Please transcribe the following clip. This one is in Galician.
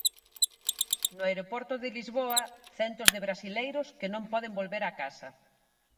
No aeroporto de Lisboa, centos de brasileiros que non poden volver á casa.